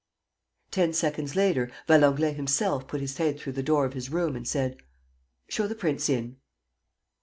..." Ten seconds later, Valenglay himself put his head through the door of his room and said: "Show the prince in."